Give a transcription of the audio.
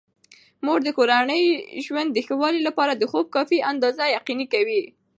مور د کورني ژوند د ښه والي لپاره د خوب کافي اندازه یقیني کوي.